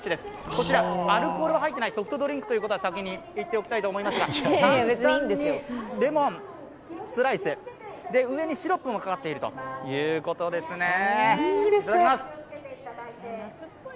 こちらアルコールは入っていないソフトドリンクだということは先に言っておきますが炭酸にレモンスライス、上にシロップもかかっているということですね、いただきます！